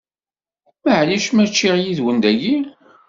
Maɛlic ma ččiɣ yid-wen dagi?